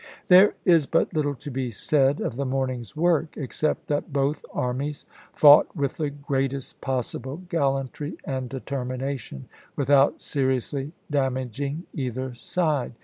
There is but little to be said of the morning's work, except that both armies fought with the greatest possible gallantry and determination, with out seriously damaging either side.